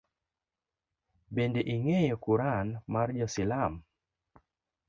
Bende ing’eyo kuran mar jo silam